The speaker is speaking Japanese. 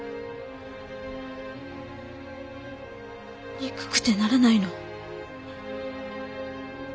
憎くてならないの。